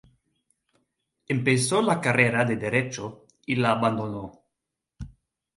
Empezó la carrera de Derecho y la abandonó.